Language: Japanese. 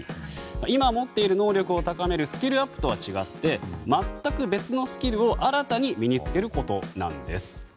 今、持っている能力を高めるスキルアップとは違って全く別のスキルを新たに身に付けることなんです。